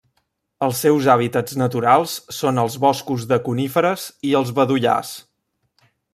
Els seus hàbitats naturals són els boscos de coníferes i els bedollars.